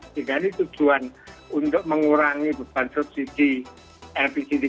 jadi ini tujuan untuk mengurangi beban subsidi